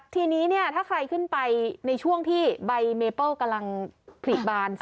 ทีนี้ถ้าใครขึ้นไปในช่วงที่ใบเมเปิ้ลกำลังผลิบาน